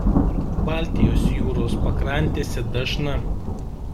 Baltijos jūros pakrantėse dažna.